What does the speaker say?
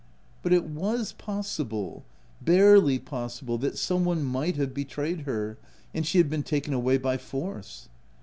But it was OF WILDFELL HALL. 191 possible— barely possible, that some one might have betrayed her, and she had been taken away by force.